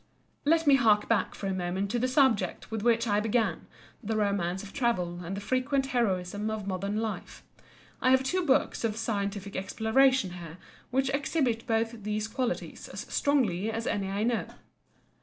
Let me hark back for a moment to the subject with which I began, the romance of travel and the frequent heroism of modern life. I have two books of Scientific Exploration here which exhibit both these qualities as strongly as any I know.